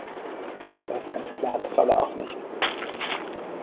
Das ist ganz klar, das soll er auch nicht.